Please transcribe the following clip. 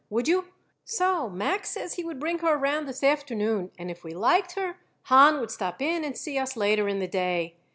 Would you? So, Max says he would bring her around this afternoon, and if we liked her Hahn would stop in and see us later in the day.